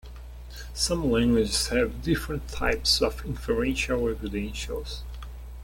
Some languages have different types of inferential evidentials.